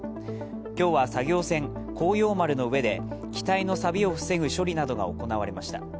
今日は作業船「航洋丸」の上で、機体のさびを防ぐ処理などが行われました。